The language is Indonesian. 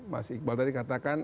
mas iqbal tadi katakan